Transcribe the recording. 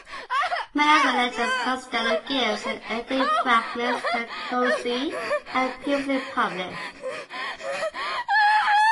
Many of the lectures Costello gives are edited fragments that Coetzee had previously published.